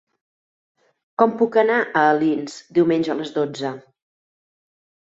Com puc anar a Alins diumenge a les dotze?